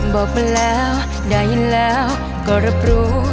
บอกแล้วได้แล้วก็รับรู้